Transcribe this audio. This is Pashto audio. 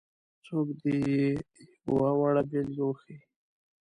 څوک دې یې یوه وړه بېلګه وښيي.